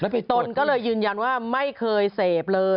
ตนก็เลยยืนยันว่าไม่เคยเสพเลย